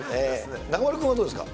中丸君は、どうですか。